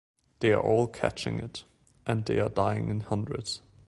They are all catching it — and they are dying in hundreds.